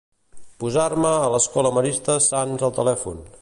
Posar-me a l'escola Maristes Sants al telèfon.